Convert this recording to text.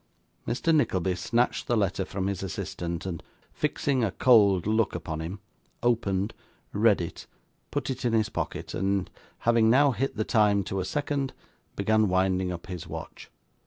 Mr. Nickleby snatched the letter from his assistant, and fixing a cold look upon him, opened, read it, put it in his pocket, and having now hit the time to a second, began winding up his watch.